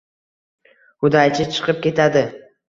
Hudaychi chiqib ketadi.